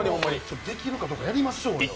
できるかどうかやりましょう。